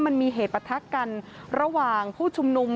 มันมีเหตุประทักกันระหว่างผู้ชุมนุม